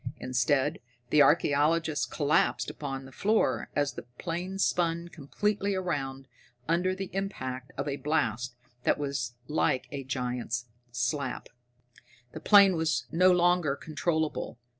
Instead, the archaeologist collapsed upon the floor as the plane spun completely around under the impact of a blast that was like a giant's slap. The plane was no longer controllable.